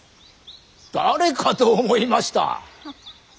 誰かと思いました。